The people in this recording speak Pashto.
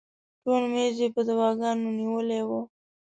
ټول میز یې په دواګانو نیولی و.